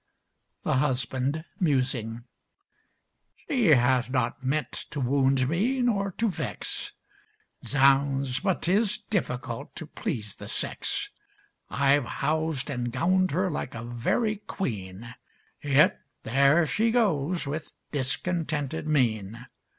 THE HUSBAND (musing) She has not meant to wound me, nor to vex Zounds! but 'tis difficult to please the sex. I've housed and gowned her like a very queen Yet there she goes, with discontented mien.